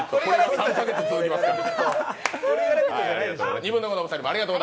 ３か月続きますから。